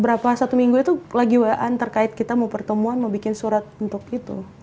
berapa satu minggu itu lagi waan terkait kita mau pertemuan mau bikin surat untuk itu